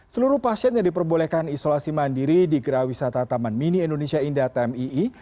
seluruh pasien yang diperbolehkan isolasi mandiri di gerah wisata taman mini indonesia indah tmii